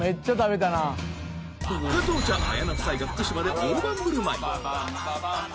加藤茶、綾菜夫妻が福島で大盤振る舞い。